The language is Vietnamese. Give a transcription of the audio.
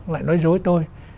lại nói dối tôi